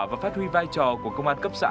và phát huy vai trò của công an cấp xã